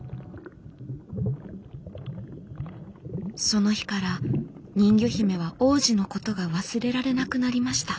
その日から人魚姫は王子のことが忘れられなくなりました。